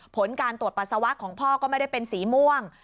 ผลการตรวจปัสสาวะของพ่อก็ไม่ได้เป็นสีม่วง